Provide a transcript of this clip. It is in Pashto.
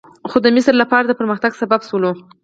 خو د مصر لپاره د پرمختګ سبب شول.